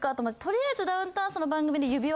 とりあえずダウンタウンさんの番組で。